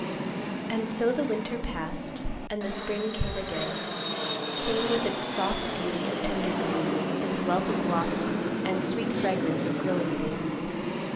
And so the winter passed, and the spring came again; came, with its soft beauty of tender green; its wealth of blossoms, and sweet fragrance of growing things.